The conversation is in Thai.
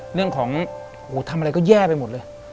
เรื่องของทำอะไรก็แย่ไปหมดเลย